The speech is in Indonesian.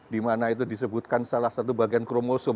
dimana itu disebutkan salah satu bagian kromosom